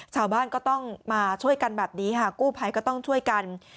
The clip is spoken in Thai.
ชาวบ้านก็ต้องมาช่วยกันแบบนี้ค่ะกู้ภัยก็ต้องช่วยกัน